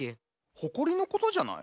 ほこりのことじゃない？